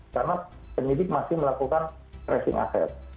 karena penyidik masih melakukan tracing aset